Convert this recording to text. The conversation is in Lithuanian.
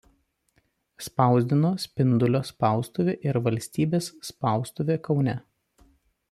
Spausdino Spindulio spaustuvė ir Valstybės spaustuvė Kaune.